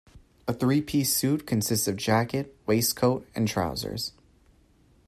A three-piece suit consists of jacket, waistcoat and trousers